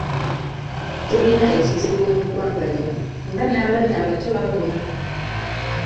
Tulina ekizibu mu ggwanga lino nga n'abaana abato bavuma.